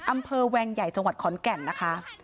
อำเภอแวงใหญ่จังหวัดขอนแก๋นนะคะ